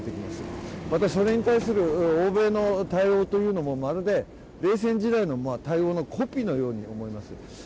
またそれに対する欧米の対応というのも、まるで冷戦時代の対応のコピーのように思います。